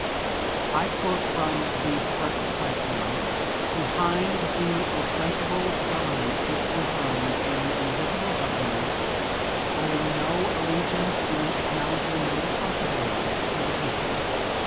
I quote from the Progressive platform: "Behind the ostensible Government sits enthroned an invisible Government, owing no allegiance and acknowledging no responsibility to the people.